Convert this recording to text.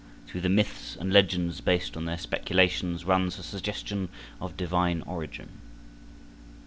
Through the myths and legends based on their speculations runs a suggestion of divine origin.